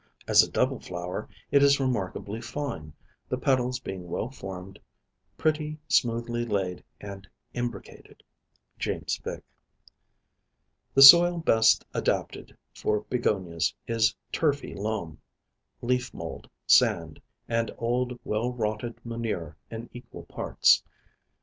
As a double flower it is remarkably fine, the petals being well formed, pretty smoothly laid and imbricated." James Vick. The soil best adapted for Begonias is turfy loam, leaf mold, sand, and old well rotted manure in equal parts.